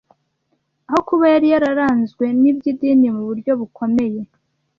Aho kuba yari yararanzwe n’iby’idini mu buryo bukomeye